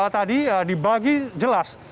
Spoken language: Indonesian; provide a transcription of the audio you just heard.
tadi dibagi jelas